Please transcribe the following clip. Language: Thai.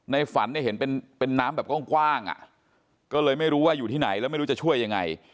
ฝันเนี่ยเห็นเป็นน้ำแบบกว้างอ่ะก็เลยไม่รู้ว่าอยู่ที่ไหนแล้วไม่รู้จะช่วยยังไง